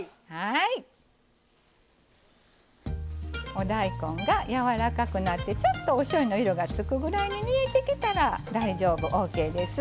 お大根が柔らかくなってちょっとおしょうゆの色がつくぐらいに煮えてきたら大丈夫ＯＫです。